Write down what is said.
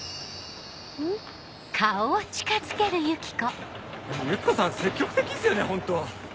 ユキコさん積極的っすよねホント。